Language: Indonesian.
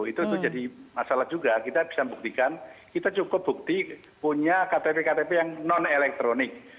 itu jadi masalah juga kita bisa membuktikan kita cukup bukti punya ktp ktp yang non elektronik